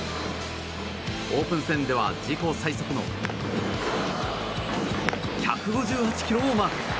オープン戦では自己最速の１５８キロをマーク。